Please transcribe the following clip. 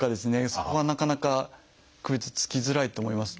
そこはなかなか区別つきづらいと思います。